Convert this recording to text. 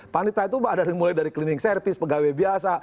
panitia itu mulai dari cleaning service pegawai biasa